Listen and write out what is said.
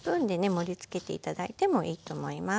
盛りつけて頂いてもいいと思います。